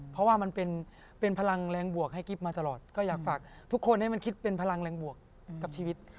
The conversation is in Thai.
เพราะว่ามันเป็นพลังแรงบวกให้กิ๊บมาตลอดก็อยากฝากทุกคนให้มันคิดเป็นพลังแรงบวกกับชีวิต